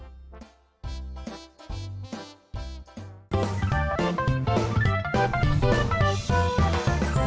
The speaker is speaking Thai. โปรดติดตามตอนต่อไป